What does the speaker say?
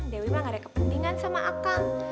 dewi bilang gak ada kepentingan sama akang